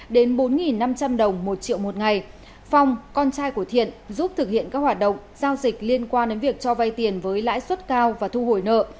đến bốn năm trăm linh đồng một triệu một ngày phong con trai của thiện giúp thực hiện các hoạt động giao dịch liên quan đến việc cho vay tiền với lãi suất cao và thu hồi nợ